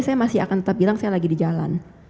saya masih akan tetap bilang saya lagi di jalan